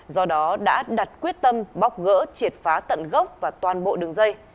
do đó đã đặt quyết tâm bóc gỡ triệt phá tận gốc và toàn bộ đường dây